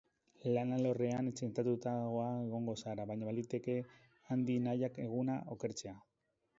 Lan alorrean zentratuagoa egongo zara, baina baliteke handi nahiak eguna okertzea.